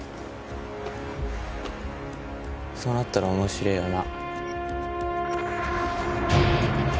そうなったら面白えよな。